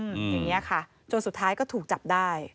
อย่างนี้ค่ะจนสุดท้ายก็ถูกจับได้